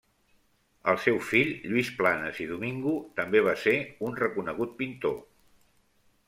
El seu fill Lluís Planes i Domingo també va ser un reconegut pintor.